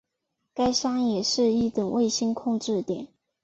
该山也是一等卫星控制点。